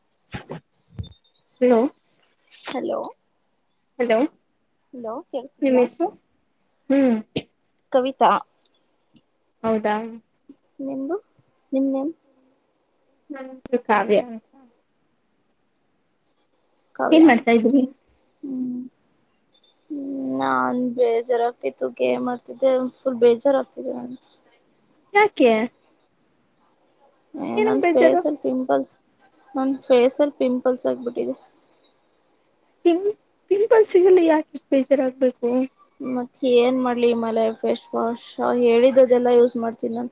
[unintelligible] Hello. Hello. Hello. Hello ಕೇಳ್ಸಿದ್ಯಾ ನಿಮ್ಮೆಸ್ರು ಹ್ಮ್. ಕವಿತಾ. ಹೌದಾ. ನಿಮ್ದು ನಿಮ್ ನೆಮ್. ನನ್ ಕಾವ್ಯ. ಕವ್ಯ ಏನ್ ಮಾಡ್ತಾ ಇದ್ರಿ ಹ್ಮ್. ಹ್ಮ್ ನಾನ್ ಬೇಜಾರಗ್ತಿತ್ತು ಗೇಮ್ ಆಡ್ತಿದ್ದೆ ಫುಲ್ ಬೇಜಾರಗ್ತಿದೆ. ಯಾಕೆ. ಏ ಏನಕ್ ನನ್ ಬೇಜಾರು ಫೇಸಲ್ ಪಿಂಪಲ್ಸ್. ನನ್ ಫೇಸಲ್ ಪಿಂಪಲ್ಸ್ ಆಗ್ಬಿಟ್ಟಿದೆ. ಪಿಂ ಪಿಂಪಲ್ಸಿಗಲ್ಲ ಯಾಕ್ ಇಷ್ಟ್ ಬೇಜಾರಾಗ್ಬೇಕು. ಮತ್ತ ಏನ್ ಮಾಡ್ಲಿ ಹಿಮಾಲಯ ಫೇಸ್ ವಾಶ್ ಹೇಳಿದುದೆಲ್ಲ ಯೂಸ್ ಮಾಡ್ತೀನಿ ನಾನ್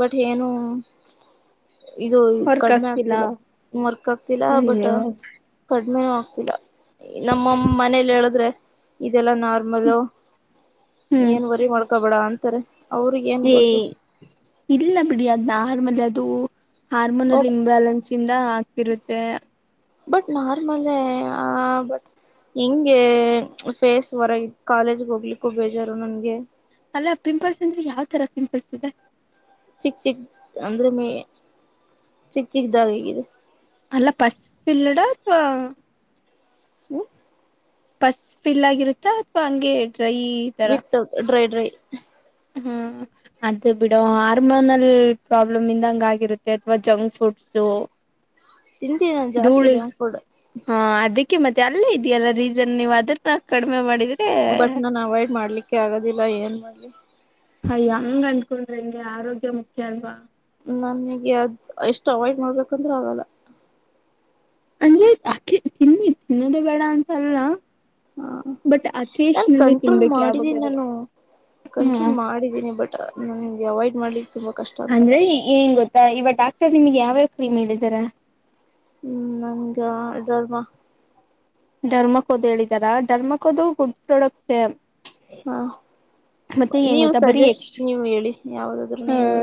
ಬಟ್ ಏನು. ಇದು ಕಡ್ಮೆ ಆಗ್ತಿಲ್ಲ ವರ್ಕ್ ಆಗ್ತಿಲ್ಲ ಬಟ ಅಯ್ಯೋ ಕಡ್ ಮೇನು ಆಗ್ತಿಲ್ಲ. ಇ ನಮ್ ಮಮ್ ಮನೆಲ್ ಹೇಳುದ್ರೆ. ಇದೆಲ್ಲಾ ನಾರ್ಮಲು. [unintelligible] ಏನ್ ವರಿ ಮಾಡ್ ಕಬೇಡ ಅಂತರೆ. ಎಯ್ ಇಲ್ಲ ಬಿಡಿ ಅದ್ ನಾಕ್ ನರ್ಮದೆ ಅದು. ಹಾರ್ಮೋನಲ್ ಬಟ್ ಇಂಬ್ಯಾಲೆನ್ಸ್ ಇಂದ ಆಗ್ತಿರುತ್ತೆ. ಬಟ್ ನಾರ್ಮಲೆ ಆ ಬಟ್ ಹೆಂಗೆ ಫೇಸ್ ವರಗ್ ಕಾಲೇಜ್ಗ್ ಹೋಗ್ಲಿಕ್ಕೂ ಬೇಜಾರು ನನ್ಗೆ. ಅಲ್ಲ ಪಿಂಪಲ್ಸ್ ಅಂದ್ರೆ ಯಾವ್ ತರ ಪಿಂಪಲ್ಸ್ ಇದೆ. ಚಿಕ್ ಚಿಕ್ ಅಂದ್ರೆ ಮೇ ಚಿಕ್ ಚಿಕ್ದಾಗಿದೆ. ಅಲ್ಲ ಪಸ್ ಫಿಲ್ಲಡ ಅತ್ವಾ. ಹ್ಮ ಪಸ್ ಫಿಲ್ ಆಗಿರುತ್ತಾ ಅತ್ವಾ ಹಂಗೆ. ಡ್ರೈ ತರ. ರೈ. ಹ್ಮ್ ಅದು ಬಿಡು ಹಾರ್ಮೋನಲ್ ಪ್ರಾಬ್ಲಮ್ ಇಂದ ಹಂಗ್ ಆಗರುತ್ತೆ ಅತ್ವಾ ಜಂಕ್ ಫುಡ್ಸು. ತಿಂತೀನ್ ನಾನ್ ಜಾಸ್ತಿ ಜಂಕ್ ಫುಡ್. ಕಿ ಮತ್ತೆ ಅಲ್ಲೇ ಇದ್ಯಲ್ಲ ರೀಸನ್ ನೀವು ಅದ್ರನ ಕಡ್ಮೆ ಮಾಡಿದೆ ಬಟ್ ನಾನ್ ಅವಾಯ್ಡ್ ಮಾಡ್ಲಿಕ್ಕೆ ಆಗೋದಿಲ್ಲ ಏನ್ ಮಾಡ್ಲಿ. ಅಯ್ಯ ಹಂಗ್ ಅಂದ್ಕೊಂಡ್ರಿ ಹೆಂಗೆ ಆರೋಗ್ಯ ಮುಖ್ಯ ಅಲ್ವಾ. ನನಿಗೆ ಅದ್ ಎಷ್ಟ್ ಅವಾಯ್ಡ್ ಮಾಡ್ಬೇಕಂದ್ರು ಆಗಲ್ಲ. ಅಂದ್ರೆ ಅಕೆ ತಿನ್ನಿ ತಿನ್ನೋದೆ ಬೇಡ ಅಂತಲ್ಲ. ಹಾ ಬಟ್ ನಾನ್ ಅಕೇಶನಲ್ಲಿ ಕಂಟ್ರೋಲ್ ತಿನ್ಬೇಕು ಮಾಡಿದ್ದೀನ್ ಯಾವಾಗಾದ್ರೆ ನಾನು ಹ್ಮ ಕಂಟ್ರೋಲ್ ಮಾಡಿದ್ದೀನಿ ಬಟ್. ನನಿಗ್ ಅವಾಯ್ಡ್ ಮಾಡ್ಲಿ ಅಂದ್ರೆ ಇ ಏನ್ ಗೊತ್ತಾ ಇವ ಡಾಕ್ ಟರ್ ನಿಮಿಗ್ ಯಾವ್ಯಾವ್ ಕ್ರೀಮ್ ಹೇಳಿದರೆ. ಹ್ಮ್ ನನ್ಗ ಅ ಡೆರ್ಮ. ಡರ್ಮಕೋದು ಹೇಳಿದರಾ ಡರ್ಮಕೋದು ಗುಡ್ ಪ್ರಾಡಕ್ಟ್ಸೆ. ಹಾ ನೀವ್ ಗೊತ್ತಾ ಬರೀ ಸಜೆಷ್ಟ್ ಎಕ್ಸ್ಟ್ರಾ ನೀವ್ ಹೇಳಿ ಯಾವ್ದಾದ್ರು ನೀವು.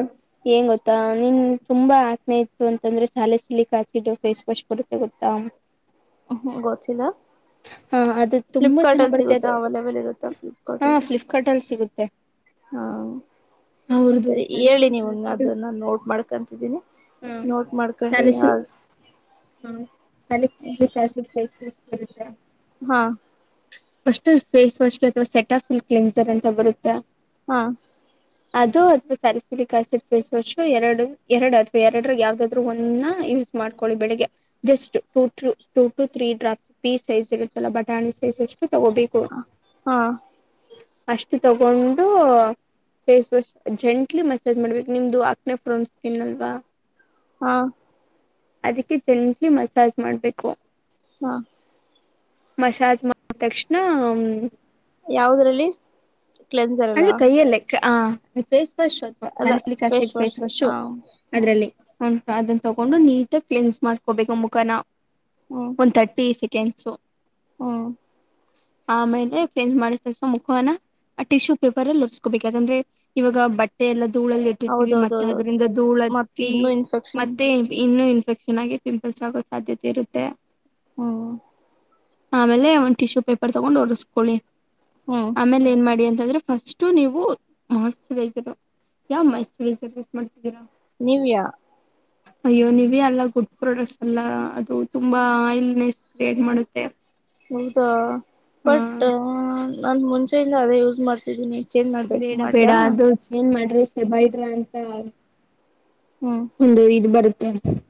ತ್ತ ನೀನ್ ತುಂಬಾ ಅಕ್ನೆ ಇತ್ತು ಅಂತಂದ್ರೆ ಸಾಲೆ ಸಿಲಿಕ್ ಆಸಿಡು ಫೇಸ್ ವಾಶ್ ಬರುತ್ತೆ ಗೊತ್ತಾ. ಹ್ಮ್ ಹು ಗೊತ್ತಿಲ್ಲ ಹಾ ಅದು ತುಂಬಾ ಫ್ಲಿಪ್ಕಾರ್ಟ್ ಚೆನ್ನಾಗ್ ಅಲ್ ಬರುತ್ತೆ ಸಿಗುತ್ತಾ ಅದು ಅವೈಲಬಲ್ ಇರುತ್ತಾ ಹಾ ಫ್ಲಿಪ್ಕಾರ್ಟ್ ಅಲ್ಲಿ. ಫ್ಲಿಪ್ಕಾರ್ಟ್ ಅಲ್ಲಿ ಸಿಗುತ್ತೆ. ಹಾ ಅವ್ರದು ಸರಿ ಹೇಳಿ ಸ್ಯಾಲಿಸಿಲಿಕ್ ನೀವು ಆಸಿಡ್ ಅದನ್ನ ನೋಟ್ ಮಾಡ್ಕಂತಿದ್ದೀನಿ ಹ ನೋಟ್ ಮಾಡ್ಕೊಂಡ್ ಯ ಸ್ಯಾಲಿಸಿ ಹ ಸ್ಯಾಲಿಸಿಲಿಕ್ ಆಸಿಡ್ ಫೇಸ್ ಹಾ. ಫಸ್ಟು ಫೇಸ್ ವಾಶ್ಗೆ ಅತ್ವಾ ಸೆಟಫಿಲ್ ಕ್ಲೆನ್ ತರ್ ಅಂತ ಬರುತ್ತಾ. ಹಾ ಅದು ಅತ್ವಾ salicylic acid face wash ಎರಡು ಎರಡ್ ಅತ್ವಾ ಎರಡಾಗ್ ಯಾವ್ದಾದ್ರು ಒಂದ್ನ ಯೂಸ್ ಮಾಡ್ಕೊಳ್ಳಿ ಬೆಳಿಗ್ಗೆ just two two two to three drops pea size ಇರುತ್ತಲ್ಲ ಬಟಾಣಿ ಸೈಜ್ ಅಶ್ ತ ತಗೋಬೇಕು. ಹಾ ಅಷ್ಟು ತಗೊಂಡು ಫೇಸ್ ವಾಶ್ ಜೆಂಟ್ಲಿ ಮಸಾಜ್ ಮಾಡ್ಬೇಕು ನಿಮ್ದು ಆಕ್ನೆ ಫ್ರೋನ್ ಸ್ಕಿನ್ ಅಲ್ವಾ. ಹಾ ಅದಿಕ್ಕೆ ಜೆಂಟ್ಲಿ ಮಸಾಜ್ ಮಾಡ್ಬೇಕು. ಹಾ ಮಸಾಜ್ ಮಾಡ್ ತಕ್ಷಣ. ಯಾವ್ದ್ರಲ್ಲಿ. ಕ್ಲೆನ್ಸರಲ್ಲ. ಕ ಹ ಆಮೇಲ್ ಫೇಸ್ ವಶ್ ಅತ್ವ salicylic acid wash face wash ಹ ಹ್ಮ್ ಅದ್ರಲ್ಲಿ ಹು. ಅದುನ್ನ ತಗೊಂಡು ನೀಟಾಗ್ ಕ್ಲಿನ್ಸ್ ಮಾಡ್ಕೋಬೇಕು ಮುಖನ. ಒಂದ್ ತರ್ಟಿ ಸಿಕ್ ಕೆನ್ಸು. ಹು. ಆಮೇಲೆ ಕ್ಲೇನ್ಸ್ ಮಾಡಿದ್ ತಕ್ಷಣ ಮುಖನ ಆ ಟಿಶ್ಯೂ ಪೇಪರಲ್ ಒರ್ಸ್ಕೋಬೇಕ್ ಯಾಕಂದ್ರೆ ಇವಾಗ ಬಟ್ಟೆ ಎಲ್ಲ ಧೂಳಲ್ಲಿಟ್ಟಿರ್ತೀವಿ ಮತ್ತೆ ಹೌದೌದೌದೌದು ಅದ್ರಿಂದ ಮತ್ತ ಧೂಳತ್ತಿ ಇನ್ನುೂ ಇನ್ಫೆಕ್ಷನ್ ಮತ್ತೆ ಇನ್ನು ಇನ್ಫೆಕ್ಷನ್ ಆಗಿ ಪಿಂಪಲ್ಸ್ ಆಗೋ ಸಾಧ್ಯತೆ ಇರುತ್ತೆ ಊಂ. ಆಮೇಲೆ ಒಂದ್ ಟಿಶ್ಯೂ ಪೇಪರ್ ತಗೊಂಡು ಒರುಸ್ಕೊಳ್ಳಿ. ಹ್ಮ್ ಆಮೇಲೆ ಏನ್ ಮಾಡಿ ಅನ್ [unintelligible] ಫಸ್ಟ್ ನೀವು ಮಾಯ್ಸ್ ಚರೈಸರು, ಯಾವ್ ಮಾಯ್ಸ್ ಚರೈಸರ್ ಯೂಸ್ ಮಾಡ್ತಿದ್ದೀರಾ? ನೀವ್ಯಾ ಅಯ್ಯೋ ನಿವ್ಯಾ ಎಲ್ಲ ಗುಡ್ ಪ್ರಾಡಕ್ಟ್ಸ್ ಅಲ್ಲ ಅದು ತುಂಬಾ ಆಯಿಲ್ನೆಸ್ ಕ್ರಿಯೇಟ್ ಮಾಡುತ್ತೆ. ಹೌದಾ ಹ ಬಟ್ಟಾ ನಾನ್ ಮುಂಚೆಯಿಂದ ಅದೇ ಯೂಸ್ ಮಾಡ್ತಿದ್ದೀನಿ. ಚೇಂಜ್ ಮಾಡ್ಬೇಕು ಬೇಡ ಬೇಡ ಮಾಡ್ಲಾ ಅದು ಚೇಂಜ್ ಮಾಡ್ರೆ ಹೆಬೈಡ್ರಾ ಅಂತ ಹ್ಮ್ ಒಂದು ಇದು ಬರುತ್ [inaudible]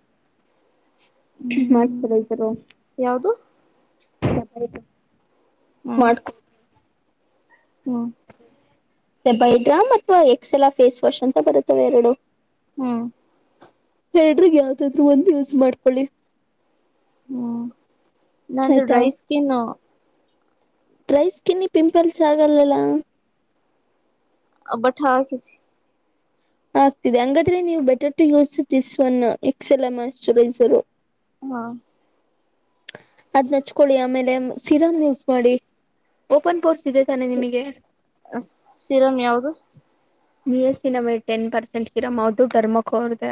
ಮಾಯ್ಸ್ ಹ್ಮ್ ಚರೈಸರು ಯಾವುದು [unintelligible] ಹ್ಮ್ ಮಾಡ್ಕೊ. ಹ್ಮ್ [unintelligible] ಸೆಬೈಡ್ರಾ ಮಾತ್ವ ಎಕ್ಸೆಲಾ ಫೇಸ್ ವಾಷ್ ಅಂತ ಬರ್ತ್ತವೆ ಎರಡು. ಹ್ಮ್ ಎರ್ಡ್ರಗ್ ಯಾವ್ದಾದ್ರು ಒಂದ್ ಯೂಸ್ ಮಾಡ್ಕೊಳಿ. ಹ್ಮ್ ನಂದು ಡ್ರೈ ಸ್ಕಿನು. ಡ್ರೈ ಸ್ಕಿನಿಗ್ ಪಿಂಪಲ್ಸ್ ಆಗಲ್ಲಲ್ಲ. ಬಟ್ ಹಾಕಿದ್. ಆಗ್ತಿದೆ ಹಂಗಾದ್ರೆ ನೀವು better to use this one ಎಕ್ಸೆಲ moisturiser. ಮಾ. ಅದ್ನಚ್ಕೊಳಿ ಆಮೇಲೆ ಸಿರಮ್ ಯಸ್ ಮಾಡಿ ಓಪನ್ ಪೋರ್ಸ್. ಇದೆ ತಾನೆ ಸಿ ನಿಮಗೆ ಸಿರಂ ಯಾವ್ದು. ನಿಯಸಿನಮೈಡ್ ಟೆನ್ ಪರ್ಸೆಂಟ್ ಸಿರಮ್ ಅವ್ರ್ದು ಡರ್ಮಕೊ ಅವ್ರ್ದೆ.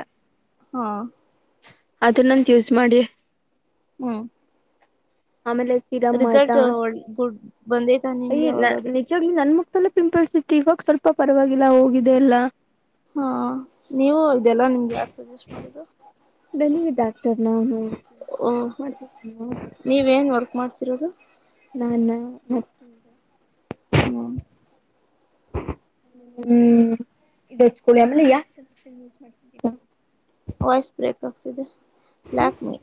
ಹಾ ಅದುನ್ನೊಂದ್ ಯೂಸ್ ಮಾಡಿ. ಹ್ಮ ಆಮೇಲೆ ಸಿರಮ್ ರಿಸಲ್ಟು ಆಯ್ತಾ ಒಳ್ ಗುಡ್ ಬಂದೈತಾ ನಿಮ್ಗೆ ಯಾವಾಗಾದ್ರೂ. ಪಲು ಪಿಂಪಲ್ಸ್ ಸುತ್ತಿ ಇವಾಗ್ ಸ್ವಲ್ಪ ಪರ್ವಾಗ್ ಗಿಲ್ಲ ಹೋಗಿದೆ ಎಲ್ಲ. ಹಾ ನೀವು ಇದೆಲ್ಲಾ ನಿಮ್ಗೆ ಯಾರು ಸಜೆಸ್ಟ್ ಮಾಡಿದ್ದು ನಿ ಡಾಕ್ಟರ್ನ ಅವ್ನು. ಓ ನೀವ್ ಏನ್ ವರ್ಕ್ ಮಾಡ್ ತೀರೋದು. ನಾನಾ. [unintelligible] ಮಮ್. ಹ್ಮ್ ಇದ್ ಹಚ್ಕೊಳಿ ಆಮೇಲೆ ಯಾವ್ ಸಂಸ್ಕ್ರೀನ್ ಯುಸ್ ಮಾಡ್ತಿದಿರಾ. ವಾಯ್ಸ್ ಬ್ರೇಕ್ ಆಗ್ತಿದೆ. ಲ್ಯಾಕ್ಮಿ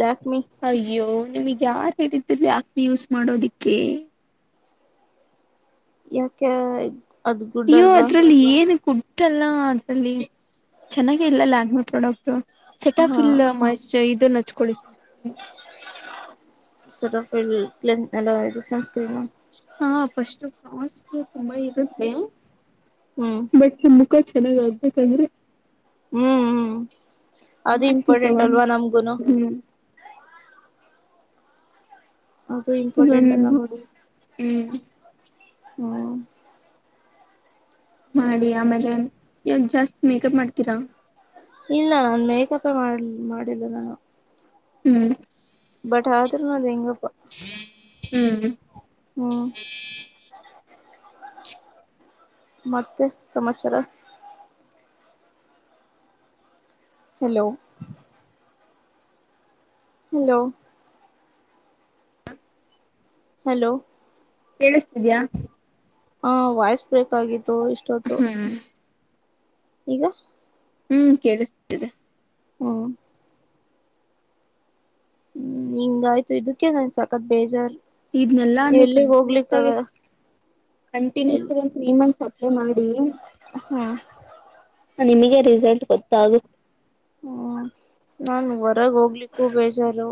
ಲ್ಯಾಕ್ಮಿ. ನೀಮಿಗ್ ಯಾರ್ ಹೇಳಿದ್ದು ಲ್ಯಾಕ್ಮಿ ಯೂಸ್ ಮಾಡೋದಿಕ್ಕೆ. ಯಾಕೆ ಅದು ಗುಡ್ ಅಯ್ಯೋ ಅಲ್ವಾ ಅದ್ರಲ್ಲಿ ಏನ್ ಗುಡ್ ಡ್ ಅಲ್ಲ ಅದ್ರಲ್ಲಿ ಚೆನ್ನಾಗೆ ಇಲ್ಲ ಲ್ಯಾಕ್ಮಿ ಪ್ರಾಡಕ್ಟು. ಸೆಟಫೀಲ್ ಮಾಶ್ಚ ಇದುನ್ ಹಚ್ಕೋಳಿ ಸರ್. ಸೆಟಫ್ ಫಿಲ್ ಕ್ಲೆನ್ ಅಲ್ಲ ಇದು ಸನ್ಸ್ ಸ್ಕ್ರೀ ತಿರ್ಣ. ಫಸ್ಟು ಕಾಸ್ಟು ತುಂಬಾ ಇರುತ್ತೆ. ಹ್ಮ್ ಬಟ್ ಮುಖ ಚಾ ಚೆನ್ನಾಗ್ ಆಗ್ಬೇಕಂದ್ರೆ. ಹ್ಮ್ ಹ್ಮ್ ಅದು ಮಾಡ್ತೀವಿ ಇಂಪಾರ್ಟೆಂಟ್ ತಗೊಂಡು ಅಲ್ವಾ ನಮ್ಗುನು. ಹ್ಮ್ ಅದು ಇಂಪಾರ್ಟೆಂಟ ಅದೊಂದ್ ನಮ್. ನೋಡಿ ಹ್ಮ್ ಹಾ ಮಾಡಿ ಆಮೇಲೆ ಯಾಕ್ ಜಾಸ್ತಿ ಮೇಕಪ್ ಮಾಡ್ತೀರಾ. ಇಲ್ಲ ನಾ ಮೇಕಪೇ ಮಾಡ್ಲಿಲ್ ಮಾಡಿಲ್ಲ ನಾನು. ಹ್ಮ್ ಬುಟ್ ಆದ್ರು ನಂದ್ ಹೆಂಗೋ. [unintelligible] ಹ್ಮ್ ಹ್ಮ್ ಮತ್ತೆ ಸಮಾಚಾರ. ಹಲೋ. ಹಲೋ. ಹಲೋ. ಕೇಳುಸ್ತಿದ್ಯಾ. ಹಾ ವಯ್ಸ್ ಬ್ರೇಕ್ ಆಗಿದೆ. ತೊ ಇಷ್ಟೊತ್ತು. ಹ್ಮ್ ಈಗ. ಹ್ಮ್ ಕೇಳುಸ್ತಿದೆ. ಹ್ಮ ಹ್ಮ್ ಹಿಂಗ್ ಆಯ್ತು ಇದುಕ್ಕೆ ನನ್ ಸಕತ್ ಬೇಜಾರ್. ಇದ್ನೆಲ್ಲಾ ನೀವ್ ಎಲ್ಲಿಗ್ ಕಂಟಿನ್ಯೂಸ್ ಹೋಗ್ಲಿಕ್ಕ ಆಗಿ ಆಗಲ್ಲ ಕಂಟಿನ್ಯೂಸ್ ಎಲ್ ಆಗ್ ಒಂದ್ ತ್ರೀ ಮಂತ್ಸ್ ಅಪ್ಲೈ ಮಾಡಿ. ಹ್ಮ ಆ ನಿಮಿಗೆ ರಿಸಲ್ಟ್ ಗೊತ್ತಾಗುತ್. ಹ್ಮ್ ನಾನ್ ವರ್ ರಾಗ್ ಹೋಗ್ಲಿಕ್ಕೂ ಬೇಜಾರು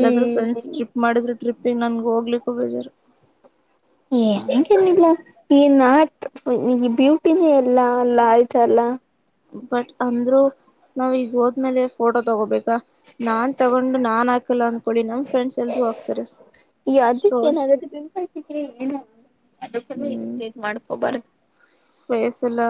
ಎಲ್ಲಾದ್ರೂ ಫ್ರೆಂಡ್ಸ್ ಟ್ರಿಪ್ ಮಾಡಿದ್ರು ಟ್ರಿಪಿಗ್ ನನ್ಗ ಹೋಗ್ಲಿಕ್ಕು ಬೇಜಾರು. ಏ ಅಂಗೇನ್ ಇಲ್ಲ. ಈ ನಾಟ್ ಈ ಬ್ಯೂಟಿನೇ ಎಲ್ಲ ಅಲ್ಲ ಆಯ್ತಲ್ಲ. ಬಟ್ ಅಂದ್ರು ನಾವ್ ಈಗ್ ಹೋದ್ಮೇಲೆ ಫೋಟೋ ತಗೋಬೇಕ್ ಕ ನಾನ್ ತಗೊಂಡು ನಾನ್ ಹಾಕಲ್ಲ ಅಂದ್ಕೊಳಿ ನಮ್ ಫ್ರೆಂಡ್ಸ್ ಎಲ್ರೂ ಹಾಕ್ತಾರೆ ಈ ಅದಕ್ಕೆ ಸ್ಟೋರಿ ಏನಾಗುತ್ತೆ ಪಿಂಪಲ್ಸ್ ಇದ್ರೆ ಏನು ಅದಕ್ಕೆಲ್ಲ ಹ್ಮ್. ಎಜಿಟೇಟ್ ಮಾಡ್ಕೋಬಾರ್ದು ಫೇಸ್ ಎಲ್ಲ.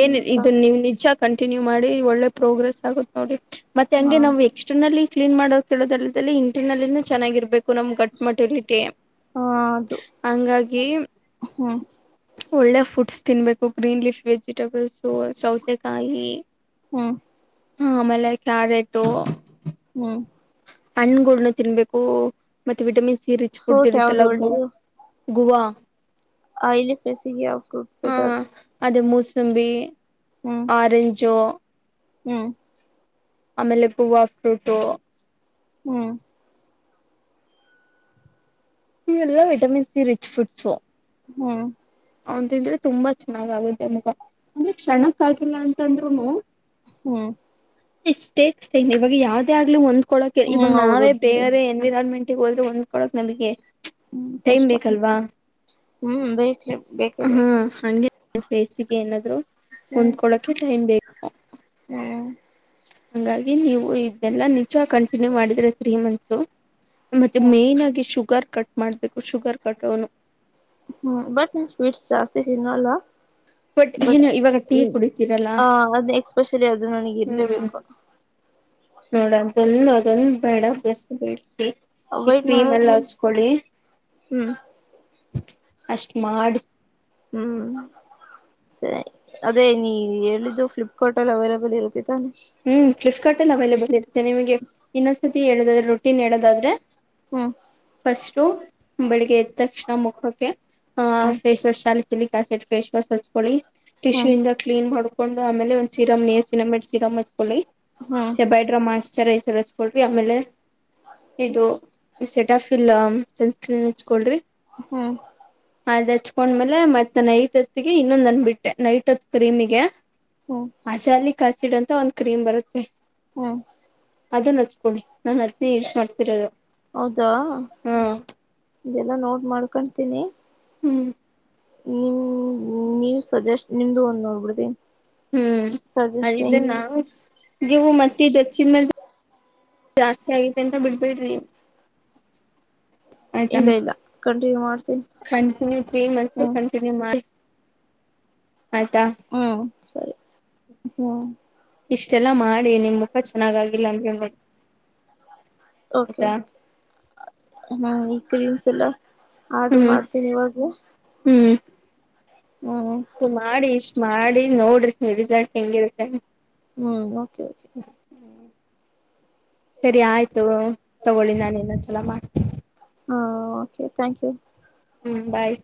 ಏನ್ ಹ ಇದು ನೀವ್ ನಿಜ ಕಂ ಕಂಟಿನ್ಯೂ ಮಾಡಿ ಒಳ್ಳೆ ಪ್ರೋಗ್ರೆಸ್ ಆಗುತ್ ನೋಡಿ. ಮತ್ತೆ ಹಂಗೆ ನಾವ್ ಹ ಎಕ್ಸ್ಟರ್ನಲ್ಲಿ. ಕ್ಲೀನ್ ಮಾಡೋ ಕೇಳೋದಲ್ದಲ್ಲಿ ಇಂಟರ್ನಲ್ಲಿನು ಚೆನ್ನಾಗಿರ್ಬೇಕು. ಗು ನಮ್ ಗಟ್ ಮಟಲಿಟಿ ಅದು ಹಂಗಾಗಿ. ಹ್ಮ್ ಒಳ್ಳೆ ಫುಡ್ಸ್ ತಿನ್ಬೇಕು ಗ್ರೀನ್ ಲಿಫ್ ವೆಜಿಟೆಬಲ್ಸು ಸೌತೆಕಾಯಿ. ಹ್ಮ ಹ ಆಮೇಲೆ ಕ್ಯಾರೆಟು. ಹ್ಮ್ ಹಣ್ಗುಳ್ನ ತಿನ್ಬೇಕು ಮತ್ತೆ vitamin C rich food fruit ಯಾವ್ದು ಇರುತ್ತಲ್ಲ ಗು ಒಳ್ಳೆದು. ಗುವಾ. ಆಯಿಲಿ ಫೇಸಿಗೆ ಆ ಫ್ರೂಟ್ ಬೆಟರ್. ಹ ಅದೇ ಮೂಸಂಬಿ. ಹ್ಮ್ ಆರೆಂಜು. ಹ್ಮ್ ಆಮೇಲೆ ಗೂವಾ ಫ್ರೂಟು. ಹ್ಮ್ ಇವೆಲ್ಲ ವಿಟಮಿನ್ ಸಿ ರಿಚ್ ಫುಡ್ಸು. ಹ್ಮ್ ಅವುನ್ ತಿಂದ್ರೆ ತುಂಬಾ ಚೆನ್ನಾಗ್ ಆಗುತ್ತೆ ಮುಖ ಅಂದ್ರೆ ಕ್ಷಣಕ್ ಆಗಿಲ್ಲ ಅಂದ್ರುನು. ಹ್ಮ್ ಇ ಸ್ಟೇಕ್ಸ್ ಇವಾಗ ಯಾವ್ದೆ ಆಗ್ಲಿ ಒಂದು ಕೊಳಕೆ ಹ್ಮ್ ಇವಾಗ್ ನಾವೇ ಹೌದೌದು ಸರ್ ಬೇರೆ ಎನ್ವಿರೊನ್ಮೆಂಟ್ ಇಗ್ ವಲ್ದ ಹೊಂದ್ಕೊಳೋಕ್ ನಮ್ಗೆ. ಹ್ಮ್ ಕಷ್ಟ ಹ್ಮ್ ಬೇಕೇ ಬೇಕೇ ಹ್ಮ್ ಬೇಕು ಹಂಗ್ ಹಂಗೆ ಫೇಸಿಗೆ ಏನಾದ್ರು. ಹೊಂದ್ಕೊಳೊಕೆ ಟೈಮ್ ಬೇಕು ಹ್ಮ ಹಂಗಾಗಿ ನೀವು ಇದೆಲ್ಲಾ ನಿಜ ಕಂಟಿನ್ಯೂ ಮಾಡಿದ್ರೆ ತ್ರೀ ಮಂತ್ಸು. ಮತ್ತೆ ಹ್ಮ್ ಮೇನ್ ಆಗಿ ಶುಗರ್ ಕಟ್ ಮಾಡ್ಬೇಕು ಶುಗರ್ ಕಟ್ಡೋನು. ಹ್ಮ್ ಬಟ್ನ ಸ್ವೀಟ್ಸ್ ಜಾಸ್ತಿ ತಿನ್ನಲ್ಲ. ಬಟ್ ಏನು ಇವಾಗ ಟೀ ಏ ಕುಡಿತೀರಲ್ಲ ಆ ಅದ್ ಎಸ್ಪೆಷಲಿ ಅದು ನನಿಗ್ ಹ್ಮ್ ಇರ್ಲೇಬೇಕು. ನೋಡ ಬಂದು ಅದೊಂದ್ ಬೇಡ ಅಭ್ಯಸ ಬೆಳ್ಸಿ. ಈ ಅವೈಡ್ ಕ್ರೀಮ್ ಎಲ್ಲ ಮಾಡಕ್ಕೆ ಹಚ್ಕೊಳಿ. ಹ್ಮ್ ಅಷ್ಟ್ ಮಾಡಿ. ಹ್ಮ್ ಸರಿ ಅದೇ ನೀ ಹೇಳಿದ್ದು ಫ್ಲಿಪ್ಕಾರ್ಟ್ ಅಲ್ಲಿ ಅವೈಲಬಲ್ ಇರುತ್ತೆ ತಾನೆ ಹ್ಮ್ ಫ್ಲಿಪ್ಕಾರ್ಟ್ ಎಲ್ ಅವೈಲೆಬಲ್ ತ್ತೆ ನಿಮ್ಗೆ ಇನ್ನೊಂದ್ಸತಿ ಹೇಳದಾದ್ರೆ ರೊಟೀನ್ ಹೇಳೋದಾದ್ರೆ. ಹು ಫಸ್ಟು ಬೆಳಿಗ್ಗೆ ಎದ್ ತಕ್ಷಣ ಮುಖಕ್ಕೆ. ಹಾ ಹ್ಮ್ face wash salicylic. Acid face wash ಹಚ್ಕೋಳಿ. ಟಿಶ್ಯೂ ಹ್ಮ್ ಇಂದ ಕ್ಲೀನ್ ಮಾಡ್ ಕೊಂಡು ಆಮೇಲೆ ಒಂದ್ ಸಿರಮ್ ನೆಯಸಿನಮೈಡ್ ಸಿ ಸಿರಂ ಹಚ್ ಕೋಳಿ ಹ್ಮ್ ಸೆಬೈಡ್ರಾ ಮೊಯ್ಸ್ಚರೈ ಸರ್ ಹಚ್ಕೊಳ್ರಿ ಆಮೇಲೆ. ಇದು ಸೆಟಫೀಲ್ ಹ್ಮ್ ಸೆನ್ಸ್ ಕ್ರೆ ಹಚ್ಕೊಳ್ರಿ. ಹ್ಮ್ ಅದ್ ಹೆಚ್ಕೊಂಡ್ಮೇಲೆ ಮತ್ ನೈಟ್ ಹೊತ್ತಿಗೆ ಇನ್ನೊಂದ್ ಅಂದ್ಬಿಟ್ಟೆ ನೈಟ್ ಹೊತ್ ಕ್ರೀಮಿಗೆ. ಹ್ಮ್ ಅಸಲಿಕ್ ಕಸಿಡಲ್ ತ ಒಂದ್ ಕ್ರೀಮ್ ಬರುತ್ತೆ. ಹ್ಮ್ ಅದುನ್ನ ಹಚ್ಕೊಂಳಿ ನಾನ್ ಅದ್ನೇ ಯುಸ್ ಮಾಡ್ತಿರೋದು. ಹೌದಾ. ಹ್ಮ್ ಇದೆಲ್ಲಾ ನೋಟ್ ಮಾಡ್ಕೊಂತೀನಿ. ಹ್ಮ್ ನಿಮ್ ನೀವ್ ಸಜೆಸ್ಟ್ ನಿಮ್ದು ಒಂದ್ ನೋಡ್ಬುಡ್ತಿನಿ. ಹ್ಮ್ ಅದ್ ಇದೆ ನಾವು ಗಿವು ಮತ್ ಇದ್ ಹಚ್ಚಿನ್ ಮೇಲ್ ಜಾಸ್ತಿ ಆಗೈತೆ ಅಂತ ಬಿಡ್ಬೇಡ್ರಿ. ಆಯ್ತ ಇಲ್ಲ ಇಲ್ಲ ಕಂಟಿನ್ಯೂ ಮಾಡ್ತೀನಿ ಕಂಟಿನ್ಯು ಕ್ರೀಮ್ ಹಚ್ಚಿ ಹ್ಮ್ ಕಂಟಿನ್ಯೂ ಮಾಡಿ. ಆಯ್ತಾ. ಹ್ಮ್ ಸರಿ ಹ್ಮ. ಇಷ್ಟೆಲ್ಲಾ ಮಾಡಿ ನಿಮ್ ಮುಖ ಚೆನ್ನಾಗಾಗಿಲ್ಲ ಅಂದ್ರೆ ನೋಡಿ. ಓಕೆ ಆಯ್ತಾ ಹ್ಮ್ ಇ ಕ್ಲಿವ್ಸ್. ಎಲ್ಲ. ಆಡ್ರು ಹ್ಮ್ ಮಾಡ್ತೀನಿ ಇವಾಗ್ಲೆ. ಸು ಮಾಡಿ ಇಷ್ಟ್ ಮಾಡ್ ನೋಡ್ರಿ ನೀವ್ ರಿಸಲ್ಟ್ ಹೆಂಗಿರುತ್ತೆ. ಹ್ಮ್ ಓಕೆ ಓಕೆ. ಸರಿ ಆಯ್ತು ತಗೊಳಿ ನಾನ್ ಇನ್ನೊಂದ್ಸಲ ಮಾಡ್ತಿನಿ. ಹಾ ಓಕೆ ಥಾಂಕ್ ಯು. ಹ್ಮ್ ಬಾಯ್.